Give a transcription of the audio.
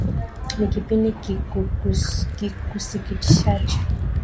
Ni kipi kikusikitishacho.